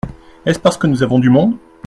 Est-ce parce que nous avons du monde ?